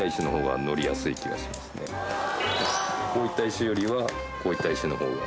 こういった石よりはこういった石の方が。